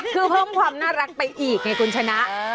คือเพิ่มความน่ารักไปอีกไงคุณชนะ